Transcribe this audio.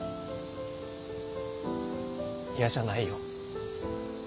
嫌じゃないよ。